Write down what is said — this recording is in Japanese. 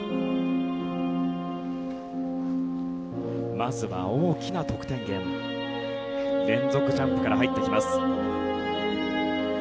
まずは大きな得点源連続ジャンプから入ってきます。